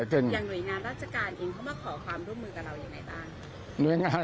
อย่างหน่วยงานรัฐการณ์เขามาขอความร่วมมือกันอย่างไรบ้าง